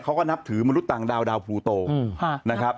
เขาก็นับถือมนุษย์ต่างดาวดาวพลูโตนะครับ